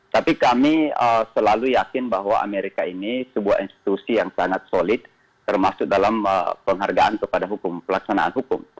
tapi kami selalu yakin bahwa amerika ini sebuah institusi yang sangat solid termasuk dalam penghargaan kepada hukum pelaksanaan hukum